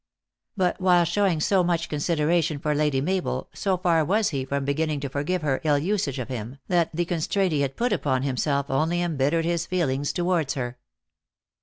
But while showing so much consideration for Lady Mabel, so far was he from beginning to forgive her ill usage of him, that the constraint he had put upon himself only embittered his feelings toward her.